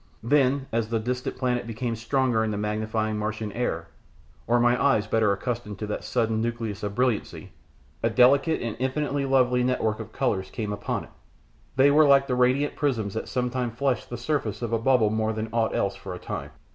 Then, as the distant planet became stronger in the magnifying Martian air, or my eyes better accustomed to that sudden nucleus of brilliancy, a delicate and infinitely lovely network of colours came upon it. They were like the radiant prisms that sometimes flush the surface of a bubble more than aught else for a time.